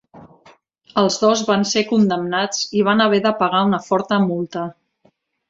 Els dos van ser condemnats i van haver de pagar una forta multa.